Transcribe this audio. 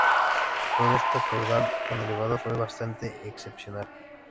Pero este caudal tan elevado fue bastante excepcional.